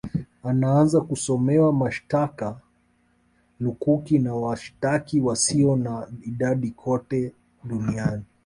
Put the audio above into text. anaanza kusomewa mashitaka lukuki na washitaki wasio na idadi kote Duniani